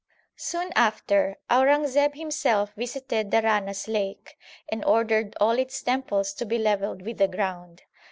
Soon after Aurangzeb himself visited the Rana s lake and ordered all its temples to be levelled with the ground.